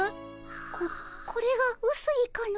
ここれがうすいかの。